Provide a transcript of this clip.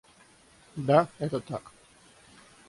Да, это так.